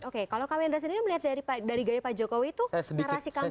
oke kalau kak wendra sendiri melihat dari gaya pak jokowi itu narasi kampanye